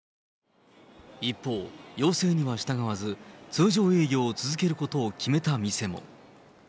一方、要請には従わず、通常営業を続けることを決めた店も。